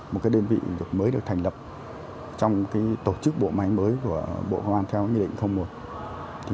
một đơn vị mới được thành lập trong tổ chức bộ máy mới của bộ công an theo nghị định một